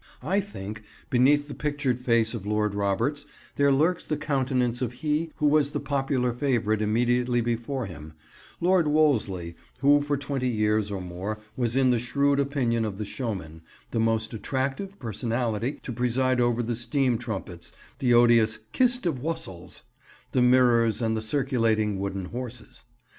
I think, beneath the pictured face of Lord Roberts there lurks the countenance of he who was the popular favourite immediately before him; Lord Wolseley, who for twenty years or more was in the shrewd opinion of the showmen, the most attractive personality to preside over the steam trumpets, the odious "kist o' whustles," the mirrors and the circulating wooden horses.